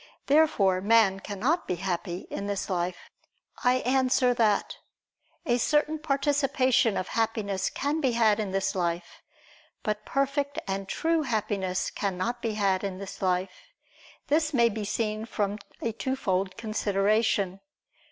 Therefore man cannot be happy in this life. I answer that, A certain participation of Happiness can be had in this life: but perfect and true Happiness cannot be had in this life. This may be seen from a twofold consideration.